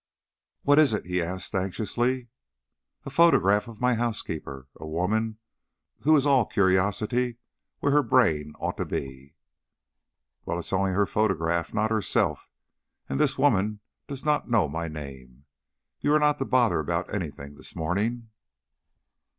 "What is it?" he asked anxiously. "A photograph of my housekeeper, a woman who is all curiosity where her brain ought to be." "Well, it is only her photograph, not herself, and this woman does not know my name. You are not to bother about anything this morning."